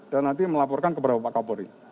dan nanti melaporkan ke beberapa pak kapolri